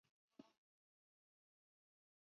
近年的一日平均上车人次推移如下表。